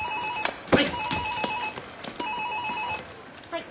はい。